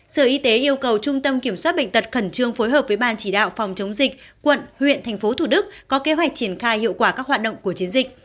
sở y tế yêu cầu trung tâm kiểm soát bệnh tật khẩn trương phối hợp với ban chỉ đạo phòng chống dịch tp hcm có kế hoạch triển khai hiệu quả các hoạt động của chiến dịch